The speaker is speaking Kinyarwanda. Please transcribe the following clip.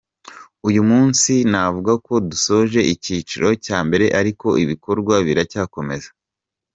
Uyu munsi navuga ko dusoje icyiciro cya mbere ariko ibikorwa biracyakomeza.